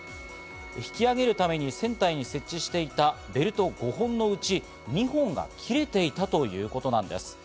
引き揚げるために船体に設置していたベルト５本のうち、２本が切れていたということなんです。